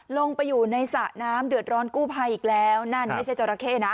ลงไปอยู่ในสระน้ำเดือดร้อนกู้ภัยอีกแล้วนั่นไม่ใช่จราเข้นะ